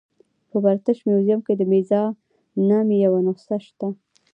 په برټش میوزیم کې د میرزا نامې یوه نسخه شته.